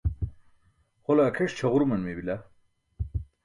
Hole akheṣ ćʰaġuruman meeybila.